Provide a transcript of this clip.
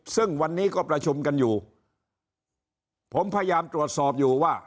ซึ่งวันนี้ก็ประชุมกันอยู่ผมพยายามตรวจสอบอยู่ว่า